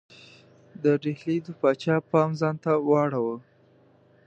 د ډهلي د پاچا پام ځانته واړاوه.